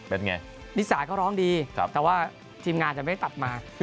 ไหนไงนิสาก็ร้องดีแต่ว่าทีมงานจะไม่ได้ตับมา